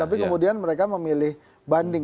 tapi kemudian mereka memilih banding